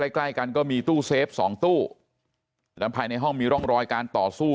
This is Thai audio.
ใกล้ใกล้กันก็มีตู้เซฟสองตู้แล้วภายในห้องมีร่องรอยการต่อสู้